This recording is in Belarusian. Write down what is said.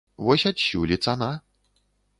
Вось адсюль і цана.